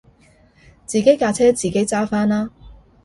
自己架車自己揸返啦